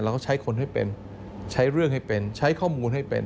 ต้องใช้คนให้เป็นใช้เรื่องให้เป็นใช้ข้อมูลให้เป็น